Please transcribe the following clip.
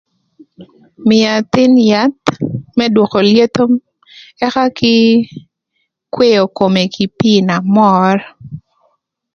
Mïö athïn yath më dwökö lyetho ëka kï kweo kome kï pii na mör.